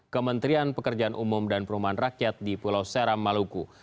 kementerian pekerjaan umum dan perumahan rakyat di pulau seram maluku